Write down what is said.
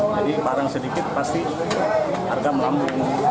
jadi barang sedikit pasti harga melambung